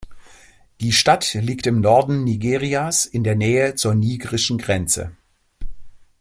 Die Stadt liegt im Norden Nigerias in der Nähe zur nigrischen Grenze.